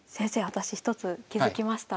私１つ気付きました。